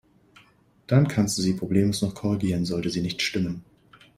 Dann kannst du sie problemlos noch korrigieren, sollte sie nicht stimmen.